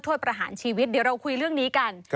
ประหารชีวิตเดี๋ยวเราคุยเรื่องนี้กัน